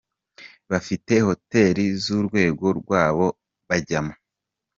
bafite hoteli z’urwego rwabo bajyamo.